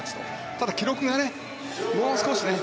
ただ、記録がもう少しね。